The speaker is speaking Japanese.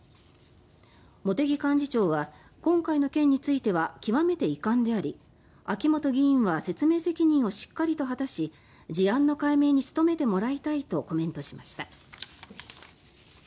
茂木幹事長は今回の件については極めて遺憾であり秋本議員は説明責任をしっかりと果たし事案の解明に努めてもらいたいとコメントしました。